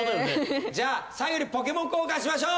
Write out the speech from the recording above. じゃあ最後にポケモン交換しましょう！